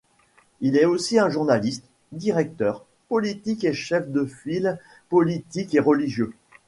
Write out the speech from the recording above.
Il est aussi un journaliste, directeur, politique et chef de file politique et religieux.